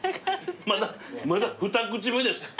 まだ二口目です。